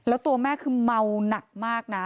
แล้วตัวแม่คือเมาหนักมากนะ